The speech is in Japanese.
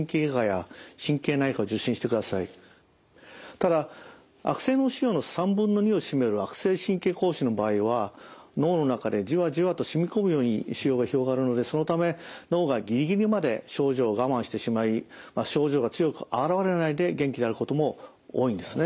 ただ悪性脳腫瘍の３分の２を占める悪性神経膠腫の場合は脳の中でじわじわと染み込むように腫瘍が広がるのでそのため脳がギリギリまで症状を我慢してしまい症状が強く現れないで元気であることも多いんですね。